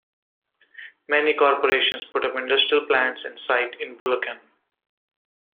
Many corporations put up industrial plants and site in Bulacan.